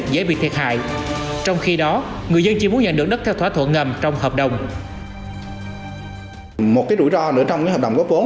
một cái rủi ro nữa trong cái hợp đồng góp vốn